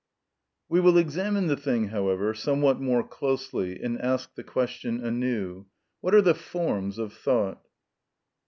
We will examine the thing, however, somewhat more closely, and ask the question anew: What are the forms of thought?